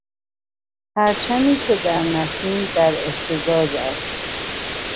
پرچمی که در نسیم در اهتزاز است.